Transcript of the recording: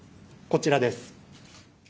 こちらです。